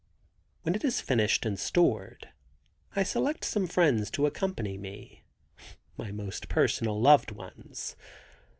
When it is finished and stored I select some friends to accompany me. My most personal loved ones.